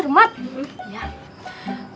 ketika kita kembali ke rumah